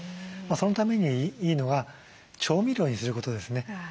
そのためにいいのが調味料にすることですね。